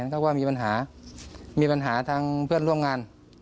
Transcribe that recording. ถ้าว่ามีปัญหามีปัญหาทางเพื่อนร่วมงาน